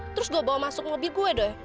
terus gue bawa masuk mobil gue dong